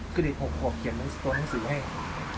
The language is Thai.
คือเด็ก๖ขวบเขียนตัวหนังสือให้